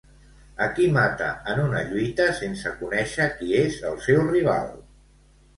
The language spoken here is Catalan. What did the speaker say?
A qui mata en una lluita sense conèixer qui és el seu rival?